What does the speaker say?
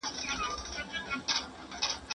زه به سبا کتابونه وليکم